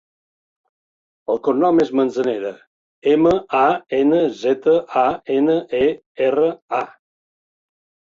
El cognom és Manzanera: ema, a, ena, zeta, a, ena, e, erra, a.